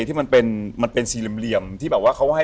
ที่มันเป็นสี่เหลี่ยม